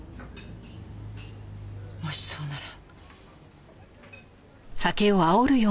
もしそうなら。